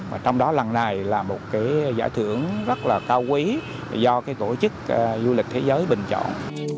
và trong đó lần này là một cái giải thưởng rất là cao quý do cái tổ chức du lịch thế giới bình chọn